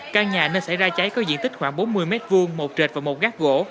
căn nhà nơi xảy ra cháy có diện tích khoảng bốn mươi m hai một trệt và một gác gỗ